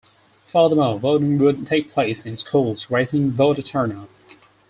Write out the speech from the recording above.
Furthermore, voting would take place in schools, raising voter turnout.